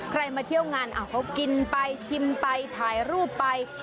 มาเที่ยวงานเขากินไปชิมไปถ่ายรูปไป